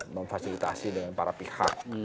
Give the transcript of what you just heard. memfasilitasi dengan para pihak